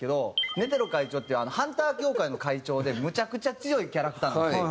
ネテロ会長っていうハンター協会の会長でむちゃくちゃ強いキャラクターなんですね。